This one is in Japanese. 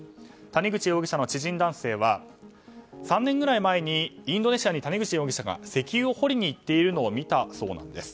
谷口容疑者の知人男性は３年ぐらい前にインドネシアに谷口容疑者が石油を掘りに行っているのを見たということです。